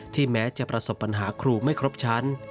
แม้จะประสบปัญหาครูไม่ครบชั้น